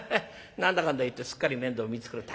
何だかんだ言ってすっかり面倒見つくれた。